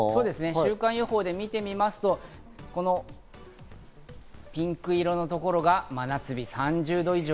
週間予報で見てみますと、ピンク色の所が真夏日、３０度以上。